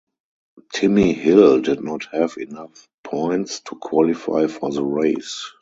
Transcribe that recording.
Timmy Hill did not have enough points to qualify for the race.